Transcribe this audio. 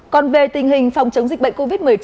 còn về tình hình phòng chống dịch bệnh covid một mươi chín